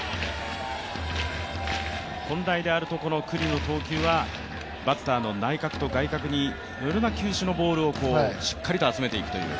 本来であると、九里の投球はバッターの内角と外角にいろいろな球種のボールをしっかりと集めていくという。